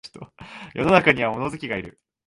世の中には物好きがいる